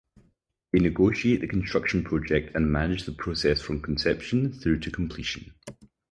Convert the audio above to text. They negotiate the construction project and manage the process from conception through to completion.